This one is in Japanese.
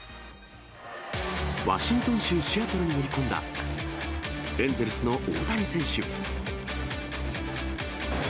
ワシントン州シアトルに乗り込んだエンゼルスの大谷選手。